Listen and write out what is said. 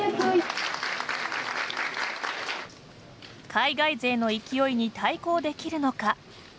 海外勢の勢いに対抗できるのか。